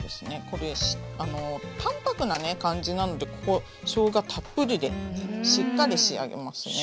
これ淡泊なね感じなのでここしょうがたっぷりでしっかり仕上げますね。